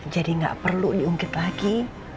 jadi gak perlu diungkit lagi